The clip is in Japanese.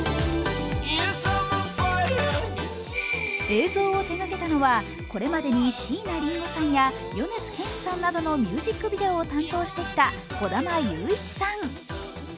映像を手がけたのはこれまでに椎名林檎さんや米津玄師さんなどのミュージックビデオを担当してきた児玉裕一さん。